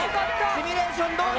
シミュレーションどおり。